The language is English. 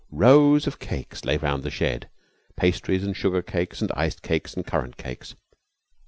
Rows of cakes lay round the shed, pastries, and sugar cakes, and iced cakes, and currant cakes.